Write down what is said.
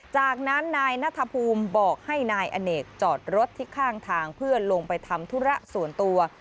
จากนั้นนายนัทภูมิบอกให้นายอเนกจอดรถที่ข้างทางเพื่อลงไปทำธุระส่วนตัว